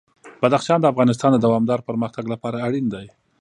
بدخشان د افغانستان د دوامداره پرمختګ لپاره اړین دي.